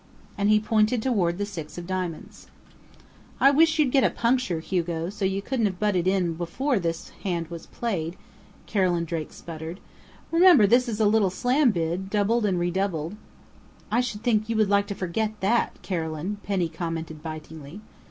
and he pointed toward the six of Diamonds. "I wish you'd got a puncture, Hugo, so you couldn't have butted in before this hand was played," Carolyn Drake spluttered. "Remember this is a little slam bid, doubled and redoubled " "I should think you would like to forget that, Carolyn!" Penny commented bitingly.